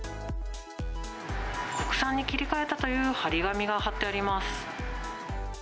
国産に切り替えたという貼り紙が貼ってあります。